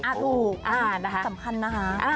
ถูกสำคัญนะคะ